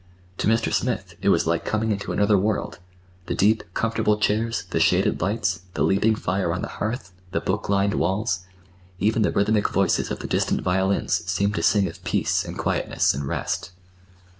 To Mr. Smith it was like coming into another world. The deep, comfortable chairs, the shaded lights, the leaping fire on the hearth, the book lined walls—even the rhythmic voices of the distant violins seemed to sing of peace and quietness and rest.